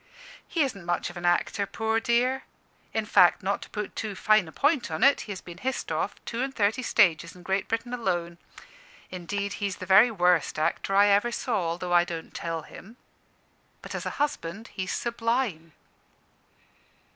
"He isn't much of an actor, poor dear. In fact, not to put too fine a point on it, he has been hissed off two and thirty stages in Great Britain alone. Indeed, he's the very worst actor I ever saw, although I don't tell him. But as a husband he's sublime."